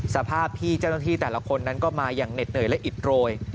สภาพที่เจ้าหน้าที่แต่ละคนนั้นก็มาอย่างเหน็ดเหนื่อยและอิดโรย